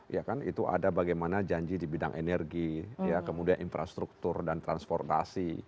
ya kan itu ada bagaimana janji di bidang energi ya kemudian infrastruktur dan transportasi